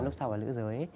lúc sau là nữ giới